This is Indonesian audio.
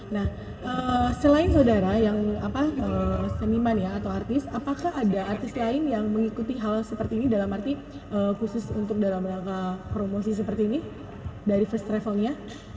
nah selain saudara yang seniman ya atau artis apakah ada artis lain yang mengikuti hal seperti ini dalam arti khusus untuk dalam rangka promosi seperti ini dari first travelnya